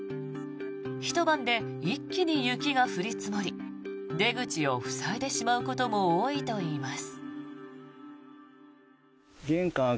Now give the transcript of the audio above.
ひと晩で一気に雪が降り積もり出口を塞いでしまうことも多いといいます。